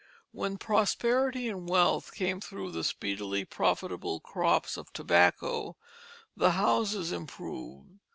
When prosperity and wealth came through the speedily profitable crops of tobacco, the houses improved.